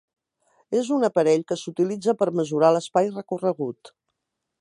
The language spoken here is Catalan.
És un aparell que s'utilitza per mesurar l'espai recorregut.